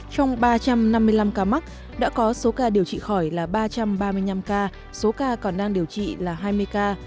trong ba trăm năm mươi năm ca mắc đã có số ca điều trị khỏi là ba trăm ba mươi năm ca số ca còn đang điều trị là hai mươi ca